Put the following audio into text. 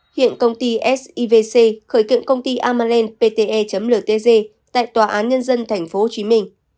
hiện công ty sivc khởi kiện công ty amalend pte ltg tại tòa án nhân dân tp hcm